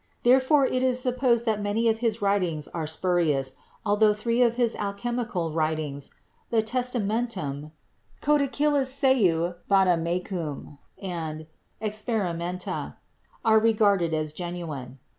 Therefore it is supposed that many of his writings are spurious, altho three of his alchemical writings — the "Testamentum," "Codicillus seu Vademecum" and "Experimenta" — are re garded as genuine.